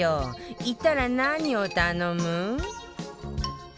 行ったら何を頼む？